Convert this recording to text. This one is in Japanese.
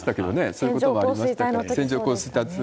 そういうことありましたからね。